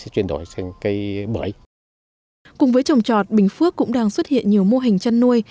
cùng với trồng trọt bình phước cũng đang xuất hiện nhiều mô hình chăn nuôi